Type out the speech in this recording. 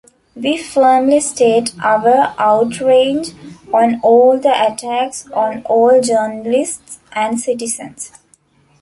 We firmly state our outrage on all the attacks on all journalists and citizens.